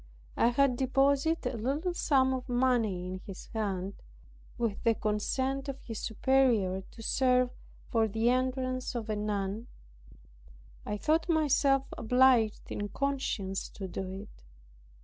I had deposited a little sum of money in his hands (with the consent of his superior) to serve for the entrance of a nun. I thought myself obliged in conscience to do it.